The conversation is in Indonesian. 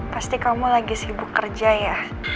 pasti kamu lagi sibuk kerja ya